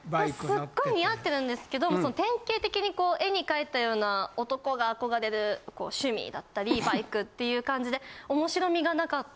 すっごい似合ってるんですけど典型的に絵に描いたような男が憧れる趣味だったりバイクっていう感じで。